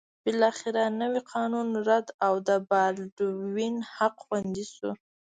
بالاخره نوی قانون رد او د بالډوین حق خوندي شو.